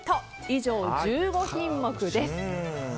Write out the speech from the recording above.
以上、１５品目です。